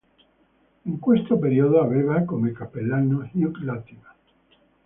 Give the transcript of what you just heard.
In questo periodo aveva, come cappellano, Hugh Latimer.